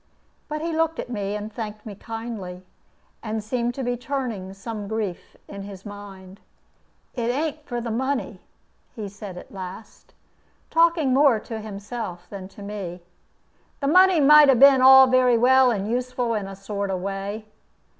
But he looked at me and thanked me kindly, and seemed to be turning some grief in his mind. "It ain't for the money," he said at last, talking more to himself than to me; "the money might 'a been all very well and useful in a sort of way.